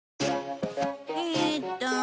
えっと。